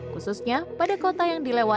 khususnya pada kota yang dilewati